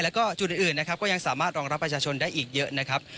แล้วก็จุดอื่นนะครับก็ยังสามารถรองรับประชาชนได้อีกเยอะนะครับ